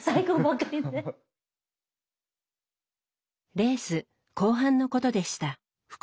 レース後半のことでした。